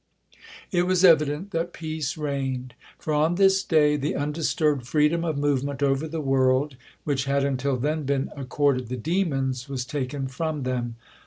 It was evident that peace reigned, for on this day the undisturbed freedom of movement over the world, which had until then been accorded the demons, was taken from them.